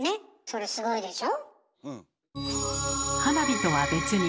それすごいでしょ？